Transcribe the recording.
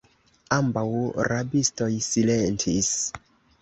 Ambaŭ rabistoj silentis.